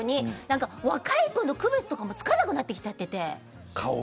若い子の区別とかもつかなくなってきちゃって。